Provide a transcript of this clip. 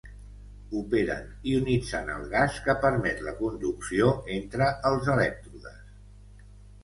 Operen ionitzant el gas que permet la conducció entre els elèctrodes.